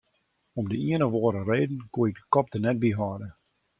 Om de ien of oare reden koe ik de kop der net by hâlde.